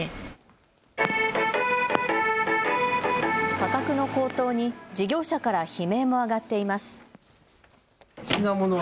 価格の高騰に事業者から悲鳴も上がっています。